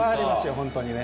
本当にね。